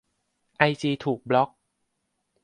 ไอจีถูกบล็อก